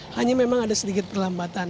hanya memang ada sedikit perlambatan